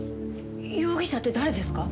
容疑者って誰ですか？